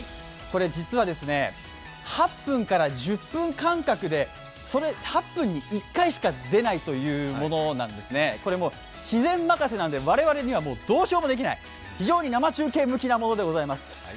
実は、８分から１０分間隔で８分一回しか出ないというものでこれ、自然任せなので我々にはどうしようもできない、非常に生中継向きなものでございます。